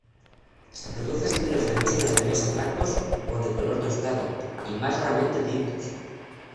Se producen vinos de mesa blancos o de color tostado, y más raramente tintos.